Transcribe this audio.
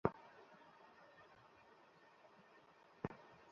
কিন্তু গোস্বামীরা তো ক্রিসমাস কাটাতে কলকাতা গেছে।